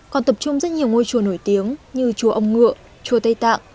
còn tập trung rất nhiều ngôi chùa nổi tiếng như chùa ông ngựa chùa tây tạng